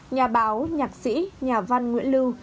nhà báo nhạc sĩ nhà văn nguyễn lưu